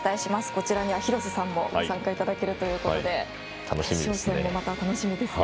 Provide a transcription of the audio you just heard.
こちらには廣瀬さんもご参加いただけるということで決勝戦もまた楽しみですね。